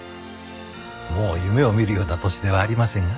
もう夢を見るような年ではありませんが。